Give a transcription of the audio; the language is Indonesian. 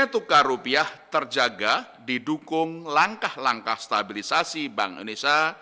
nilai tukar rupiah terjaga didukung langkah langkah stabilisasi bank indonesia